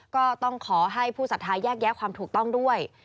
ก็ต้องขอให้ผู้ศรัทธาแยกแยะความถูกต้องด้วย